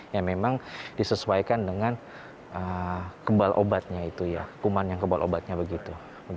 yang memang disesuaikan dengan kebal obatnya itu ya kuman yang kebal obatnya begitu